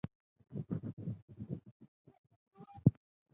康克林镇区为美国堪萨斯州波尼县辖下的镇区。